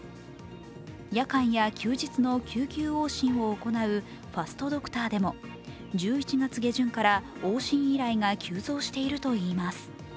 夜間や休日の救急往診を行うファストドクターでも１１月下旬から往診依頼が急増しているといいます。